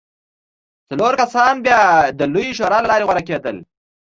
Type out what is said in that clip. څلور کسان بیا د لویې شورا له لارې غوره کېدل